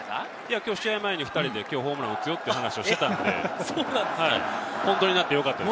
今日試合前に２人でホームランを打つよって話をしていたんで、本当になってよかったです。